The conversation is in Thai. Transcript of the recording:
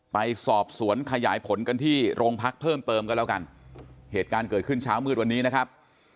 ไปสอบสวนขยายผลกันที่โรงพักเพิ่มเติมกันแล้วกันเหตุการณ์เกิดขึ้นเช้ามืดวันนี้นะครับ